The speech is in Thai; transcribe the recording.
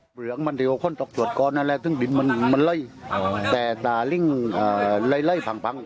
เหลืองมันเร็วคนตกสวดก่อนนั่นแหละซึ่งดินมันไล่แต่ด่าลิ่งไล่พัง